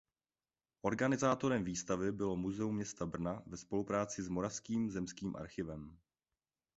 Organizátorem výstavy bylo Muzeum města Brna ve spolupráci s Moravským zemským archivem.